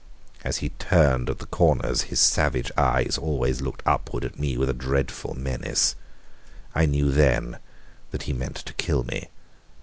As he turned at the corners his savage eyes always looked upwards at me with a dreadful menace. I knew then that he meant to kill me.